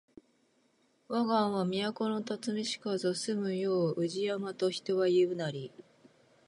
わが庵は都のたつみしかぞ住む世を宇治山と人は言ふなり